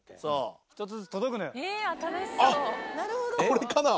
これかな？